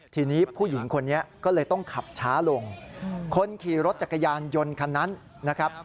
ทีนี้ผู้หญิงคนนี้ก็เลยต้องขับช้าลงคนขี่รถจักรยานยนต์คันนั้นนะครับ